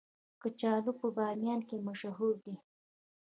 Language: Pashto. کچالو په بامیان کې مشهور دي